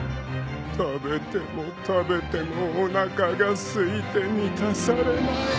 ［食べても食べてもおなかがすいて満たされない］